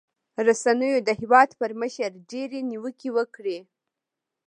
رسنيو پر هېوادمشر ډېرې نیوکې وکړې.